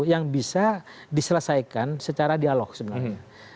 yang bisa diselesaikan secara dialog sebenarnya